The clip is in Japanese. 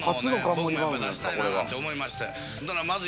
僕もやっぱり出したいななんて思いまして。